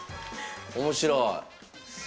面白い。